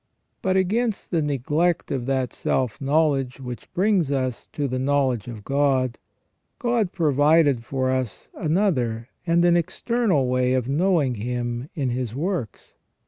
But against the neglect of that self knowledge which brings us to the knowledge of God, God provided for us another and an external way of knowing Him in His works.